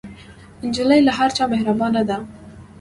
نجلۍ له هر چا مهربانه ده.